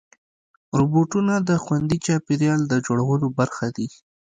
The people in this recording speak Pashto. روبوټونه د خوندي چاپېریال د جوړولو برخه دي.